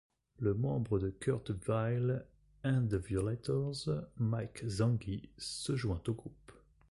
Le membre de Kurt Vile and the Violators, Mike Zanghi, se joint au groupe.